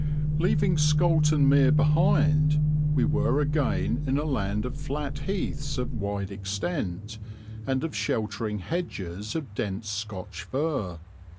Leaving Scoulton Mere behind we were again in a land of flat heaths of wide extent, and of sheltering hedges of dense Scotch fir.